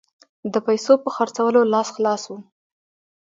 د پیسو په خرڅولو لاس خلاص وو.